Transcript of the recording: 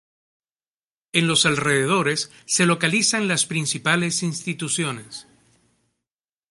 En los alrededores se localizan las principales instituciones.